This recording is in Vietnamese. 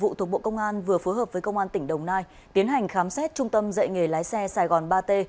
vụ thuộc bộ công an vừa phối hợp với công an tỉnh đồng nai tiến hành khám xét trung tâm dạy nghề lái xe sài gòn ba t